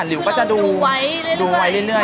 หิวก็จะดูไว้เรื่อย